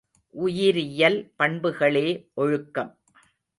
உயிரியல் பண்புகளே ஒழுக்கம்.